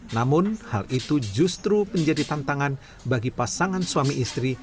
namun hal itu justru menjadi tantangan bagi pasangan suami istri